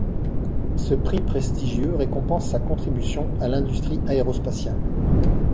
Ce prix prestigieux récompense sa contribution à l'industrie aérospatiale.